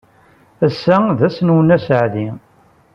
Ass-a d ass-nwen aseɛdi.